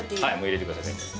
入れてください。